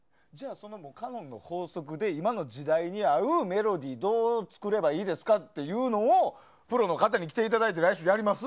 カノンの法則で今の時代に合うメロディーをどう作ればいいですかっていうのをプロの方に来ていただいて来週やります？